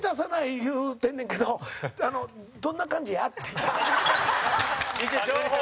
言うてんねんけど「どんな感じや？」っていう。